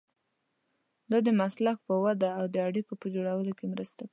دا د مسلک په وده او د اړیکو په جوړولو کې مرسته کوي.